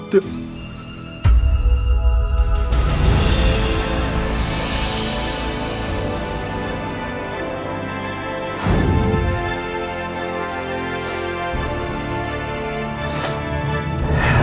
tapi kakaknya gak ada